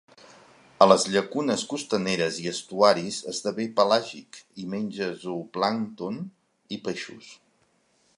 A les llacunes costaneres i estuaris esdevé pelàgic i menja zooplàncton i peixos.